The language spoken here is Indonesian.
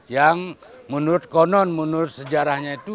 yang menurut konon menurut sejarahnya itu